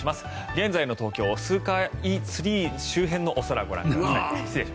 現在の東京スカイツリー周辺のお空ご覧ください。